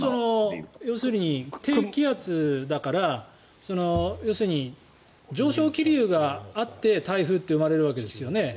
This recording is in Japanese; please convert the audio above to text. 低気圧だから要するに、上昇気流があって台風って生まれるわけですよね。